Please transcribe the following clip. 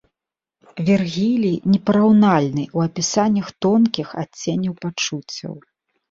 Вергілій непараўнальны ў апісаннях тонкіх адценняў пачуццяў.